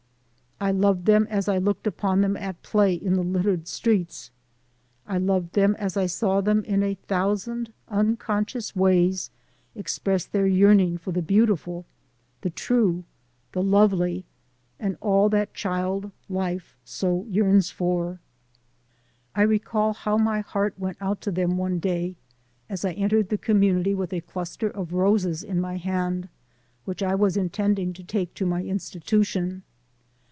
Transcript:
I loved them as I looked upon them at play in the littered streets. I loved them as I saw them in a thousand unconscious ways express their yearning for the beautiful, the true, the lovely, and all that child life so yearns for. I recall how my heart went out to them one day, as I entered the community with a cluster of roses in my hand, which I was intending to take to my institution.